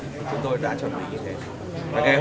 chúng tôi đã chuẩn bị như thế